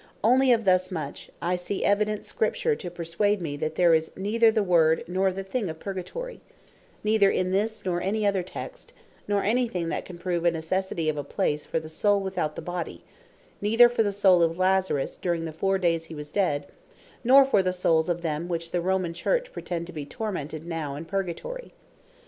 Onely of thus much, I see evident Scripture, to perswade men, that there is neither the word, nor the thing of Purgatory, neither in this, nor any other text; nor any thing that can prove a necessity of a place for the Soule without the Body; neither for the Soule of Lazarus during the four days he was dead; nor for the Soules of them which the Romane Church pretend to be tormented now in Purgatory.